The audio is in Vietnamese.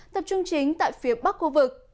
tập trung chính tại phía bắc khu vực